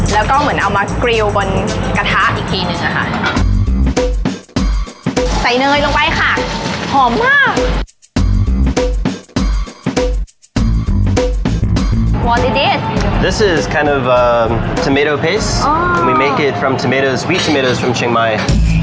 แล้วก็เหมือนเอามากรีวบนกระทะอีกทีนึงอะค่ะใส่เนยลงไปค่ะหอมมาก